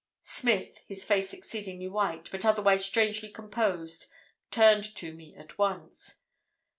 "Smith, his face exceedingly white, but otherwise strangely composed, turned to me at once.